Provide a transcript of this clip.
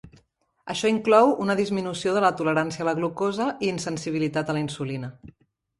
Això inclou una disminució de la tolerància a la glucosa i insensibilitat a la insulina.